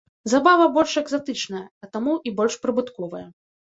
Забава больш экзатычная, а таму і больш прыбытковая.